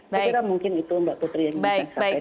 saya kira mungkin itu mbak putri yang ingin